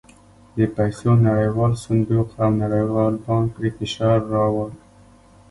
د پیسو نړیوال صندوق او نړیوال بانک پرې فشار راووړ.